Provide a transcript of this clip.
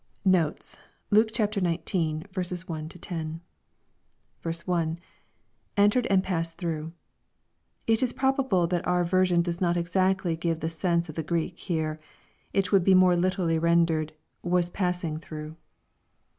Notes. Luke XIX.. 1—10. *^ 1. — [Entered and passed (hrough.] It is probable that our version does not exactly give the sense of the Grreek here. It would be more literally rendered, " was passing through."